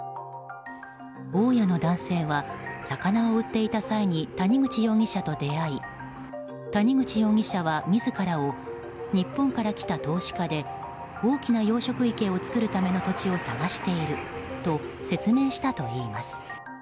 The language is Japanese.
大家の男性は魚を売っていた際に谷口容疑者と出会い谷口容疑者は自らを日本から来た投資家で大きな養殖池を作るための土地を探していると説明したといいます。